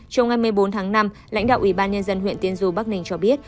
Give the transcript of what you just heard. trong ngày một mươi bốn tháng năm lãnh đạo ủy ban nhân dân huyện tiên du bắc ninh cho biết